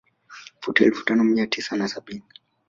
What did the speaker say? Futi elfu tano mia tisa na sabini